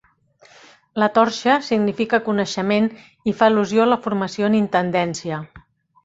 La torxa significa coneixement i fa al·lusió a la formació en intendència.